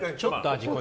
味濃い？